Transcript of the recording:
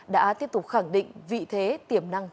đã tiếp tục khẳng định vị thế tiềm năng